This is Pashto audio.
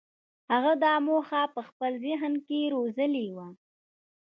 هغه دا موخه په خپل ذهن کې روزلې وه.